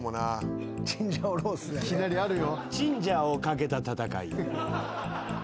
いきなりあるよ。